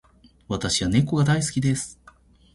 私は猫が大好きです。